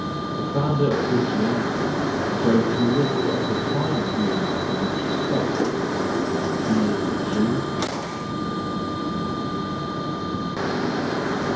The founder of Christianity showed too little of the finer feelings in this respect—being a Jew.